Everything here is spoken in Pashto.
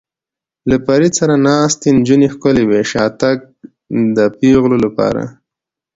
له فرید سره ناستې نجونې ښکلې وې، شاتګ د پېغلو لپاره.